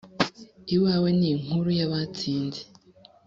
iwawe ninkuru yabatsinze,